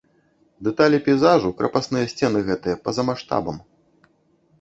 Дэталі пейзажу, крапасныя сцены гэтыя па-за маштабам.